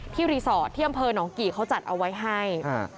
รีสอร์ทที่อำเภอหนองกี่เขาจัดเอาไว้ให้